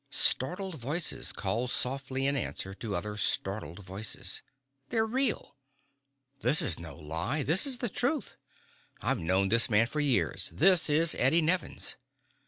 Startled voices called softly in answer to other startled voices. "They're real." "This is no lie. This is the truth." "I've known this man for years. This is Eddie Nevins."